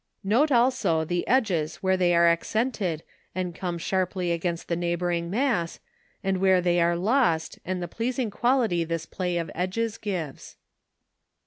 Note also the edges where they are accented and come sharply against the neighbouring mass, and where they are lost, and the pleasing quality this play of edges gives.